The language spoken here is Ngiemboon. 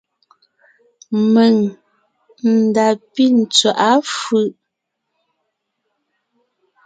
Mèŋ n da pí tswaʼá fʉ̀ʼ.